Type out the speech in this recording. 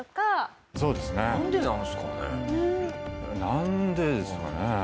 なんでですかね？